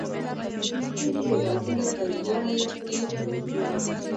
پیچلي لغتونه د ځوان نسل مخه نیسي.